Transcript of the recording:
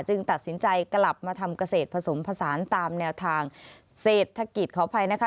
ตัดสินใจกลับมาทำเกษตรผสมผสานตามแนวทางเศรษฐกิจขออภัยนะคะ